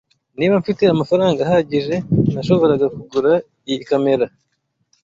Niba mfite amafaranga ahagije, nashoboraga kugura iyi kamera.